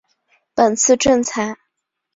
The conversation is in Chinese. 本次征才